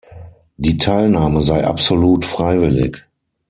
Die Teilnahme sei absolut freiwillig.